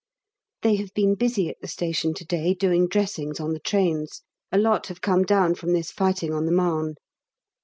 They have been busy at the station to day doing dressings on the trains. A lot have come down from this fighting on the Marne.